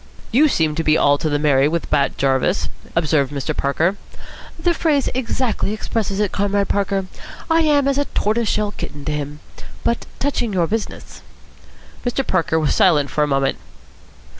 "You seem to be all to the merry with Bat Jarvis," observed Mr. Parker. "The phrase exactly expresses it, Comrade Parker. I am as a tortoiseshell kitten to him. But, touching your business?" Mr. Parker was silent for a moment.